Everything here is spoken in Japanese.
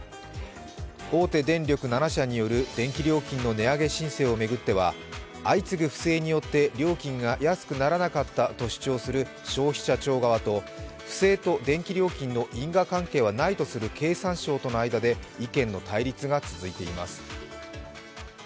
大手電力７社による電気料金の値上げ申請を巡っては相次ぐ不正によって料金が安くならなかったと主張する消費者庁側と、不正と電気料金の因果関係はないとする経産省との間で意見の対立が続いています。